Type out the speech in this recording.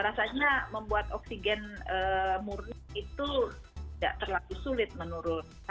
rasanya membuat oksigen murni itu tidak terlalu sulit menurun